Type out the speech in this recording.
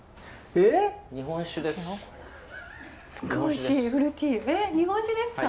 えっ日本酒ですか！